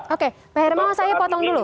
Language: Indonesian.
oke pak hermawan saya potong dulu